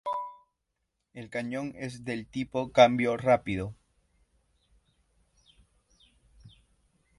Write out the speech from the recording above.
El cañón es del tipo "cambio rápido".